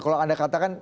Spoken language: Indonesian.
kalau anda katakan